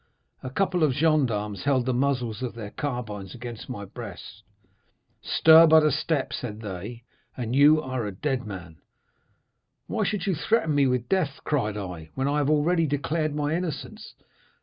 "A couple of gendarmes held the muzzles of their carbines against my breast. "'Stir but a step,' said they, 'and you are a dead man.' "'Why should you threaten me with death,' cried I, 'when I have already declared my innocence?